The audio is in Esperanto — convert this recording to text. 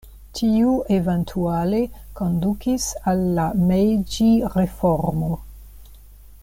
Tio eventuale kondukis al la Mejĝi-reformo.